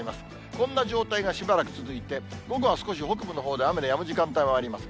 こんな状態がしばらく続いて、午後は少し北部のほうで雨のやむ時間があります。